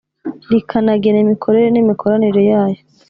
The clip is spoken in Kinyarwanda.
rikanagena imikorere n imikoranire yayo